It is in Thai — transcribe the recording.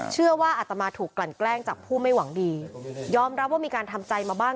ว่าอัตมาถูกกลั่นแกล้งจากผู้ไม่หวังดียอมรับว่ามีการทำใจมาบ้าง